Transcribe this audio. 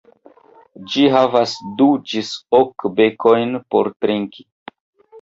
Ĝi havas du ĝis ok bekojn por trinki.